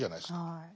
はい。